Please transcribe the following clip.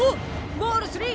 ボールスリー。